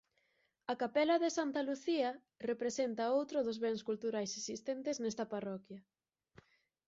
A Capela de Santa Lucía representa outro dos bens culturais existentes nesta parroquia.